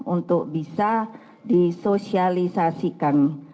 untuk bisa disosialisasikan